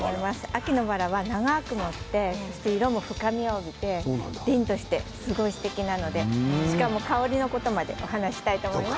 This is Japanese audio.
秋のバラは長くもって色も深みがあってりんとして、すごくすてきなのでしかも香りのことまでお話をしたいと思います。